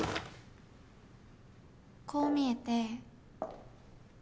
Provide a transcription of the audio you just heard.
こう見えて。